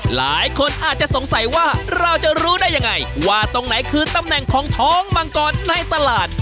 หลายคนอาจจะสงสัยว่าเราจะรู้ได้ยังไงว่าตรงไหนคือตำแหน่งของท้องมังกรในตลาด